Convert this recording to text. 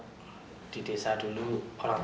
jadi saya tidak bisa mengambil alih sekolah